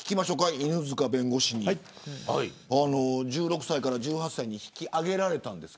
犬塚弁護士１６歳から１８歳に引き上げられました。